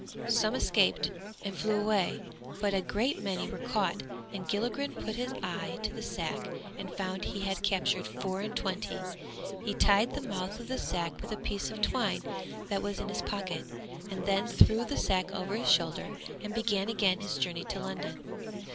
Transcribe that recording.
Some escaped and flew away, but a great many were caught, and Gilligren put his eye to the sack and found he had captured four and twenty. He tied the mouth of the sack with a piece of twine that was in his pocket, and then threw the sack over his shoulder and began again his journey to London.